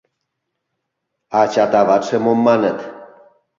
Ачат-аватше мом маныт?